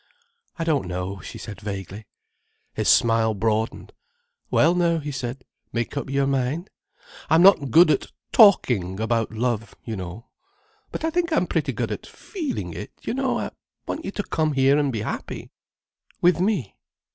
"I don't know," she said vaguely. His smile broadened. "Well now," he said, "make up your mind. I'm not good at talking about love, you know. But I think I'm pretty good at feeling it, you know. I want you to come here and be happy: with me."